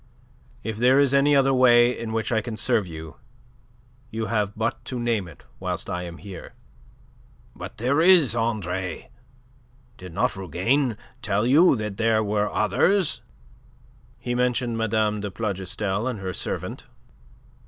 If there is any other way in which I can serve you, you have but to name it whilst I am here." "But there is, Andre. Did not Rougane tell you that there were others..." "He mentioned Mme. de Plougastel and her servant."